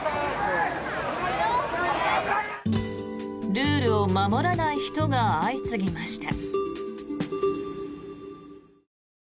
ルールを守らない人が相次ぎました。